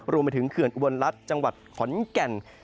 รวมไปถึงเขื่อนอุบลรัฐจังหวัดขอนแก่น